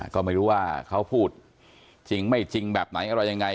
ก็ไม่รู้ว่าเขาพูดจริงไม่จริงแบบไหนอะไรยังไง